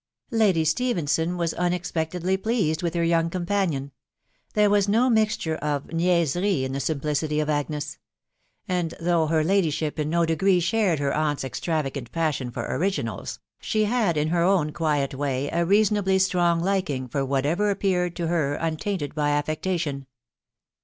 Lady Stephenson was unexpectedly pleased with her youn^ x 3 « It 310 THE WIDOW BABNABT. companion ; there was no mixture of niaiserie in the simpfiefy «»f Agnes ; and though her ladyship in no degree shared bar aunt's extravagant passion for originals, she had in her on quiet way a reasonably strong liking for whatever appeared n her untainted by affectation.